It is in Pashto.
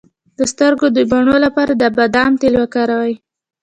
د سترګو د بڼو لپاره د بادام تېل وکاروئ